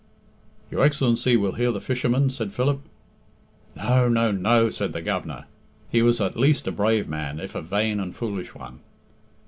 "Your Excellency will hear the fishermen?" said Philip. "No, no, no," said the Governor. He was at least a brave man, if a vain and foolish one.